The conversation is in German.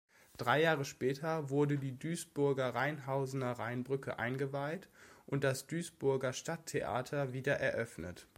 Drei Jahre später wurde die Duisburg-Rheinhausener Rheinbrücke eingeweiht und das Duisburger Stadttheater wieder eröffnet.